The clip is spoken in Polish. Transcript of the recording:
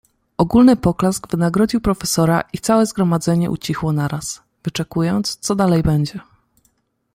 "Ogólny poklask wynagrodził profesora i całe zgromadzenie ucichło naraz, wyczekując, co dalej będzie."